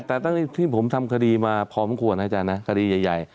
แต่ตอนนี้ที่ผมทำคดีมาพร้อมควรไม่จ้านะคดีใหญ่